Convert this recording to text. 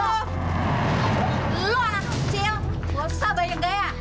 lo anak kecil bosa banyak gaya